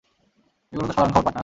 এগুলো তো সাধারণ খবর, পার্টনার।